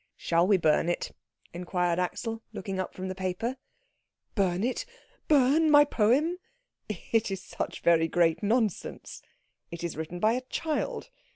"Shall we burn it?" inquired Axel, looking up from the paper. "Burn it? Burn my poem?" "It is such very great nonsense. It is written by a child.